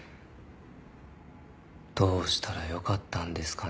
どうしたらよかったんですかね。